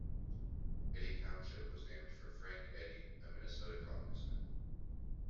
Eddy Township was named for Frank Eddy, a Minnesota congressman.